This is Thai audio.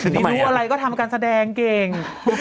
ไม่รู้อะไรก็ทำการแสดงเก่ง